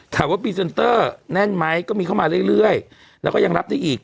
พรีเซนเตอร์แน่นไหมก็มีเข้ามาเรื่อยแล้วก็ยังรับได้อีก